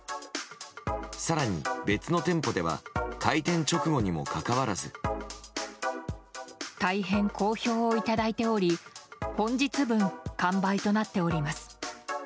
更に、別の店舗では開店直後にもかかわらず。大変好評をいただいており本日分、完売となっております。